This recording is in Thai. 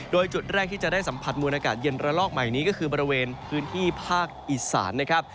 โดยจุดแรกที่จะได้สัมผัสมวลอากาศเย็นระลอกใหม่นี้ก็คือบริเวณพื้นที่ภาคอีสานนะครับ